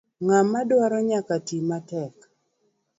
Ng'ama dwaro nyaka ti matek.